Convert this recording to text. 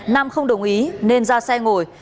nam không đồng ý nên ra xe ngồi